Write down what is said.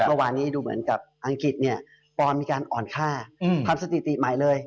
เมื่อวานนี้ดูเหมือนกับอังกฤษเนี่ยฟอร์มมีการอ่อนค่าทำสถิติใหม่เลย